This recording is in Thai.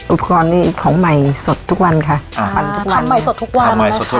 อุปกรณ์นี้ของใหม่สดทุกวันค่ะอ่าปั่นทุกวันทำใหม่สดทุกวัน